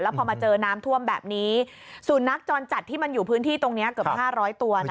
พอมาเจอน้ำท่วมแบบนี้สูนักจรจัดที่มันอยู่พื้นที่ตรงนี้เกือบห้าร้อยตัวนะ